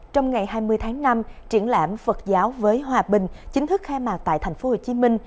trong ngày hai mươi tháng năm triển lãm phật giáo với hòa bình chính thức khai mạc tại tp hcm